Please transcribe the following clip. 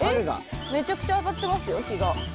えっめちゃくちゃ当たってますよ日が。